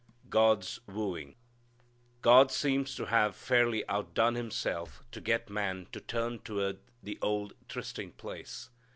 God's Wooing. God seems to have fairly outdone Himself to get man to turn toward the old trysting place.